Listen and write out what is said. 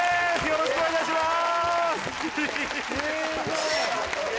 よろしくお願いします！